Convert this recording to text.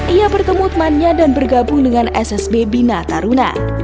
ia bertemu temannya dan bergabung dengan ssb bina taruna